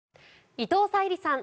伊藤沙莉さん